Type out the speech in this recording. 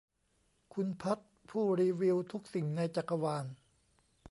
คุณพัชผู้รีวิวทุกสิ่งในจักรวาล